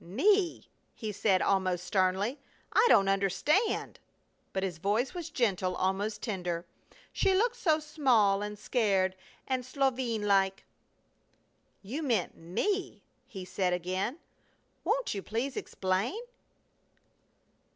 "Me!" he said, almost sternly. "I don't understand!" but his voice was gentle, almost tender. She looked so small and scared and "Solveig" like. "You meant me!" he said, again. "Won't you please explain?"